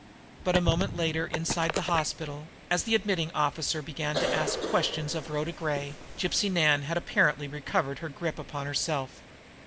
But a moment later, inside the hospital, as the admitting officer began to ask questions of Rhoda Gray, Gypsy Nan had apparently recovered her grip upon herself.